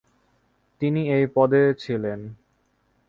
তিনি এই পদে ছিলেন।